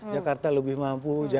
jakarta lebih mampu